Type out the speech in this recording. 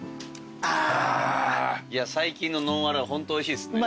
いや最近のノンアルはホントおいしいっすね。